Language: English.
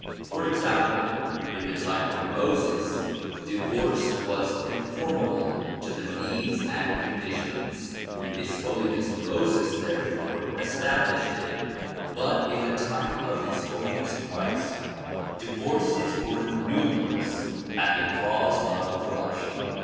For example, in the time of ]Moses divorce was conformable to the needs and conditions. His Holiness Moses there fore established it ; but in the time of His Holiness Christ divorces were numerous and the cause of corruption.